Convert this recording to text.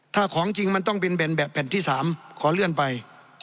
ถ้าของจริงมันต้องบินแบบแผ่นที่๓ขอเลื่อนไป